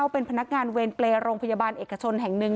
เป็นพนักงานเว็นเปลแรงโรงพยาบาลเอกชนแห่ง๑